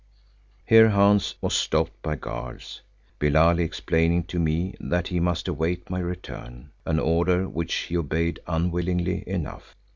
Here Hans was stopped by guards, Billali explaining to me that he must await my return, an order which he obeyed unwillingly enough.